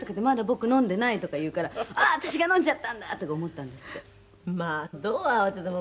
“まだ僕飲んでない”とか言うからあっ私が飲んじゃったんだとか思ったんですって」